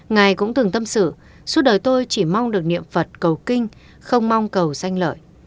ngài cũng từng tâm sự suốt đời tôi chỉ mong được niệm phật cầu kinh không mong cầu xanh lợi